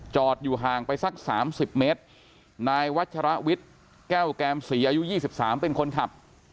จอดอยู่ห่างไปสักสามสิบเมตรนายวัชรวิทแก้วแกรมศรีอายุยี่สิบสามเป็นคนขับ